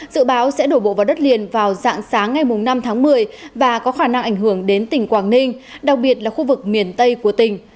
dự báo sẽ đổ bộ vào đất liền vào dạng sáng ngày năm tháng một mươi và có khả năng ảnh hưởng đến tỉnh quảng ninh đặc biệt là khu vực miền tây của tỉnh